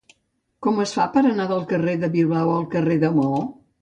Com es fa per anar del carrer de Bilbao al carrer de Maó?